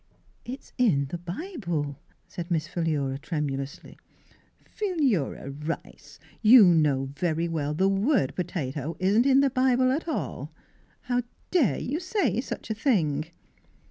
"It's in the Bible," said Miss Philura tremulously. " Philura Rice ! You know very well the word potato isn't in the Bible at all. How dare you say such a thing?